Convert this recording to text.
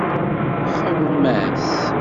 Xemmem-as.